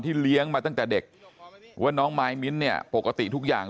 เลี้ยงมาตั้งแต่เด็กว่าน้องมายมิ้นเนี่ยปกติทุกอย่าง